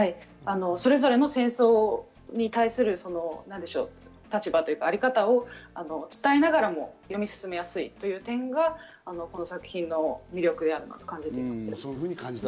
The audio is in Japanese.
それぞれの戦争に対する立場というか、あり方を伝えながらも読み進めやすいという点がこの作品の魅力だと感じています。